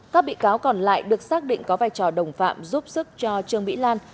các bị cáo còn lại được xác định có vai trò đồng phạm giúp sức cho trương mỹ lan